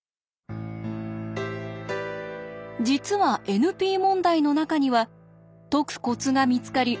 実はＮＰ問題の中には解くコツが見つかり